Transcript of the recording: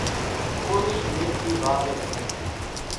ڪورِي ميٿِي واويَ سي۔